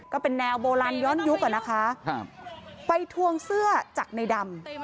ก็เป็นแนวโบราณย้อนยุคอ่ะนะคะครับไปทวงเสื้อจากในดำ